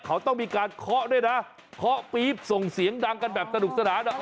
เขาต้องมีการเคาะด้วยนะเคาะปี๊บส่งเสียงดังกันแบบสนุกสนาน